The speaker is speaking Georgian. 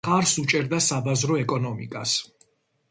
მხარს უჭერდა საბაზრო ეკონომიკას.